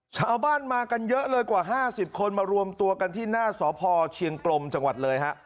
ชาวบ้านมากันเยอะเลยกว่า๕๐คนมารวมตัวกันที่หน้าสพเชียงกลมจังหวัดเลยฮะ